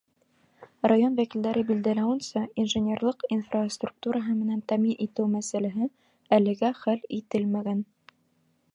Район вәкилдәре билдәләүенсә, инженерлыҡ инфраструктураһы менән тәьмин итеү мәсьәләһе әлегә хәл ителмәгән.